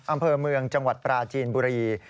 อำเภอเมืองจังหวัดปราจีนบุรี